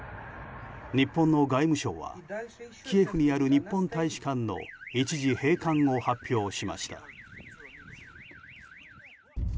日本の外務省はキエフにある日本大使館の一時閉館を発表しました。